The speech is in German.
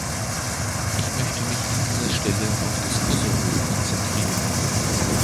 Ich möchte mich an dieser Stelle auf das Kosovo konzentrieren.